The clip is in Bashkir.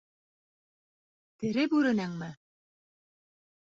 — Тере бүренеңме?!